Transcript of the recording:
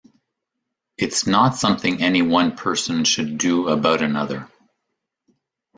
It's not something any one person should do about another.